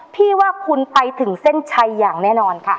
พี่ว่าคุณไปถึงเส้นชัยอย่างแน่นอนค่ะ